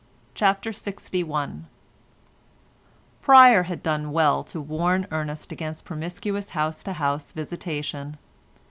CHAPTER LXI Pryer had done well to warn Ernest against promiscuous house to house visitation.